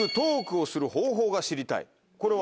これは？